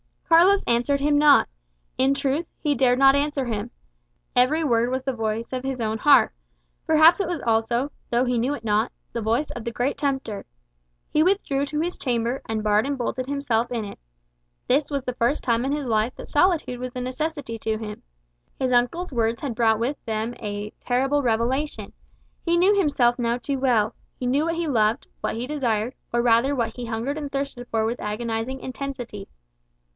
Carlos answered him not; in truth, he dared not answer him. Every word was the voice of his own heart; perhaps it was also, though he knew it not, the voice of the great tempter. He withdrew to his chamber, and barred and bolted himself in it. This was the first time in his life that solitude was a necessity to him. His uncle's words had brought with them a terrible revelation. He knew himself now too well; he knew what he loved, what he desired, or rather what he hungered and thirsted for with agonizing intensity.